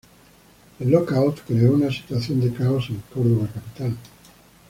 El lock out creó una situación de caos en Córdoba Capital.